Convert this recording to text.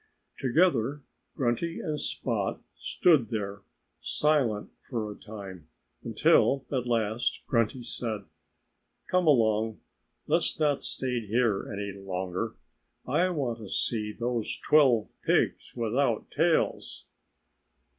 Together Grunty and Spot stood there, silent, for a time; until at last Grunty said, "Come along! Let's not stay here any longer. I want to see those twelve pigs without tails."